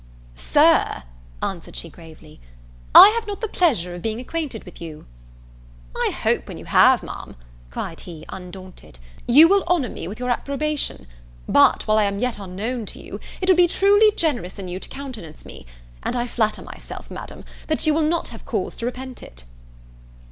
"Sir," answered she gravely, "I have not the pleasure of being acquainted with you." "I hope when you have, Ma'am," cried he, undaunted, "you will honour me with your approbation: but, while I am yet unknown to you, it would be truly generous in you to countenance me; and I flatter myself, Madam, that you will not have cause to repent it."